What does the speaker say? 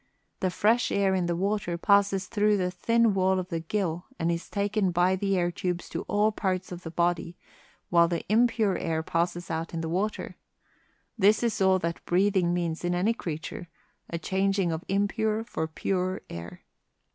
The fresh air in the water passes through the thin wall of the gill and is taken by the air tubes to all parts of the body, while the impure air passes out in the water. This is all that breathing means in any creature a changing of impure for pure air."